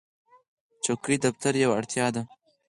چوکۍ د دفتر یوه اړتیا ده.